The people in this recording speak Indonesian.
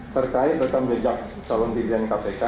terkait rekan belajar calon pilihan kpk